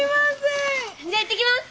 じゃあ行ってきます！